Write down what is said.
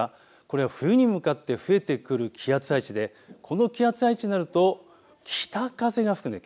冬に向かって増えてくる気圧配置でこの気圧配置になると北風が吹くんです。